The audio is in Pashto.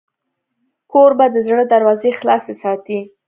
کوربه د زړه دروازې خلاصې ساتي.